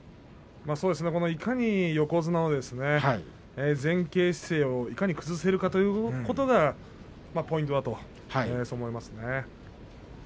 いかに横綱の前傾姿勢を崩せるかということがポイントだと思います。